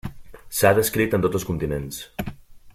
S'ha descrit en tots els continents.